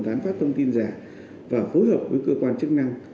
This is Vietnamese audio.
tác pháp thông tin giả và phối hợp với cơ quan chức năng